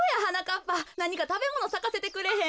っぱなにかたべものさかせてくれへん？